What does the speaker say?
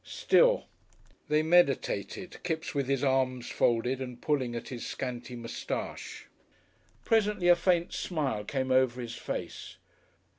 Still " They meditated, Kipps with his arms folded and pulling at his scanty moustache. Presently a faint smile came over his face.